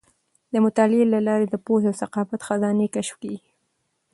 د مطالعې له لارې د پوهې او ثقافت خزانې کشف کیږي.